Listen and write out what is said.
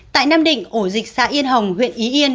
tại nam định ổ dịch xã yên hồng huyện ý yên